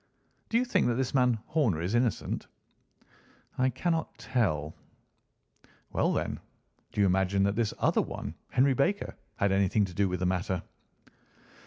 "Do you think that this man Horner is innocent?" "I cannot tell." "Well, then, do you imagine that this other one, Henry Baker, had anything to do with the matter?"